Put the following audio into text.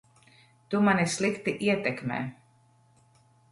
Tu mani slikti ietekmē.